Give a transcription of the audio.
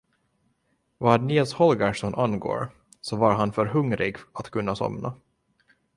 Vad Nils Holgersson angår, så var han för hungrig att kunna somna.